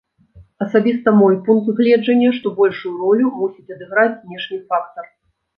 Асабіста мой пункт гледжання, што большую ролю мусіць адыграць знешні фактар.